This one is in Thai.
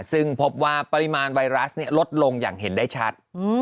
ซึ่งพบว่าปริมาณไวรัสลดลงอย่างเห็นได้ชัด